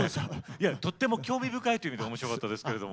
いやとっても興味深いという意味で面白かったですけれども。